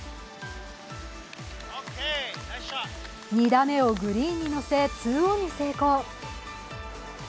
２打目をグリーンに乗せ、ツーオンに成功。